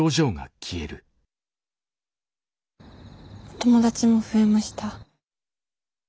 友達も増えました。